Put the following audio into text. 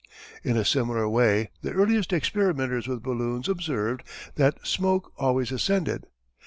In a similar way the earliest experimenters with balloons observed that smoke always ascended.